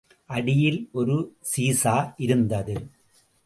அடியில் ஒரு சீசா இருந்தது.